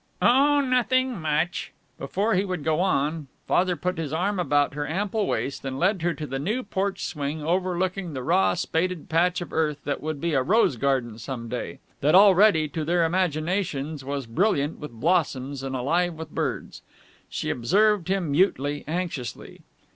"Oh, nothing much." Before he would go on, Father put his arm about her ample waist and led her to the new porch swing overlooking the raw spaded patch of earth that would be a rose garden some day that already, to their imaginations, was brilliant with blossoms and alive with birds. She observed him mutely, anxiously.